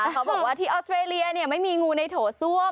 เขาบอกว่าที่ออสเตรเลียไม่มีงูในโถส้วม